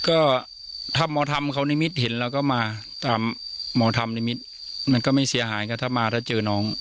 ก็ถ้าหมอธรรมเขานิมิตเห็นแล้วก็มาตามหมอธรรมนิมิตรมันก็ไม่เสียหายก็ถ้ามาถ้าเจอน้อง